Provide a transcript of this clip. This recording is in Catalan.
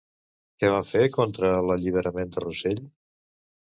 Què van fer contra l'alliberament de Rosell?